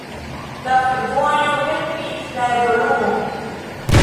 La fervojo helpis la evoluon.